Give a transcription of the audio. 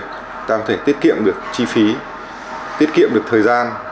chúng ta có thể tiết kiệm được chi phí tiết kiệm được thời gian